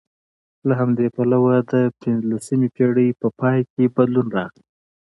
له همدې پلوه د پنځلسمې پېړۍ په پای کې بدلون راغی